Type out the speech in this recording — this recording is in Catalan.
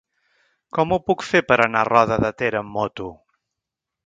Com ho puc fer per anar a Roda de Ter amb moto?